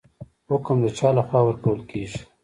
حکم د چا لخوا ورکول کیږي؟